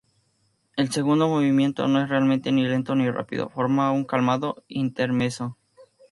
El segundo movimiento no es realmente ni lento ni rápido; forma un calmado "intermezzo".